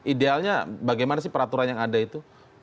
idealnya bagaimana sih peraturan yang ada itu